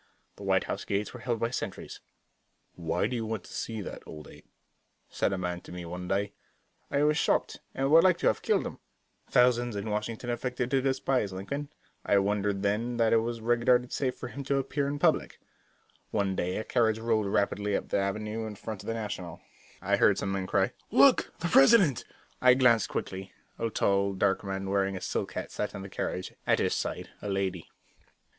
The White House gates were held by sentries. "Why do you want to see that old Ape?" said a man to me one day. I was shocked, and would like to have killed him. But he was not alone in his vileness. Thousands in Washington affected to despise Lincoln. I wondered then that it was regarded safe for him to appear in public. One day a carriage rolled rapidly up the avenue in front of the National. I heard some men cry, "Look, the President!" I glanced quickly. A tall, dark man, wearing a silk hat sat in the carriage; at his side a lady.